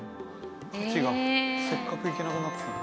価値がせっかく行けなくなってたのに。